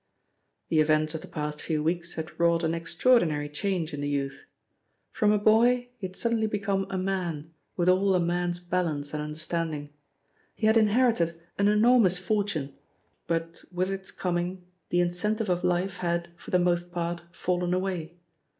The events of the past few weeks had wrought an extraordinary change in the youth. From a boy he had suddenly become a man, with all a man's balance and understanding. He had inherited an enormous fortune, but with its coming the incentive of life had, for the most part, fallen away.